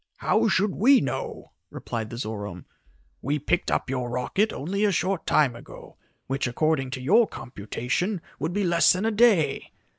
"How should we know?" replied the Zorome. "We picked up your rocket only a short time ago, which, according to your computation, would be less than a day.